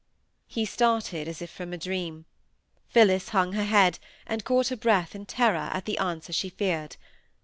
He started as if from a dream. Phillis hung her head, and caught her breath in terror at the answer she feared.